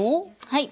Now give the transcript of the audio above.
はい。